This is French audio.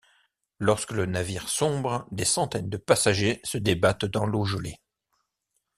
Lorsque le navire sombre, des centaines de passagers se débattent dans l'eau gelée.